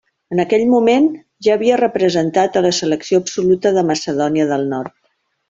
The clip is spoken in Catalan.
En aquell moment ja havia representat a la selecció absoluta de Macedònia del Nord.